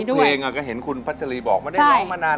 ตัวเองก็เห็นคุณพัชรีบอกไม่ได้ร้องมานาน